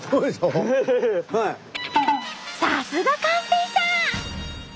さすが寛平さん！